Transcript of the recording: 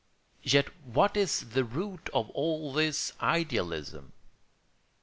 Yet what is the root of all this idealism?